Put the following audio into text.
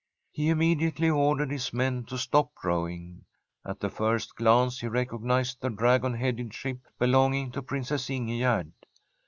He immediately ordered his men to stop rowing. At the first glance he recognised the dragon headed ship belonginp^ to Princess Ingegerd.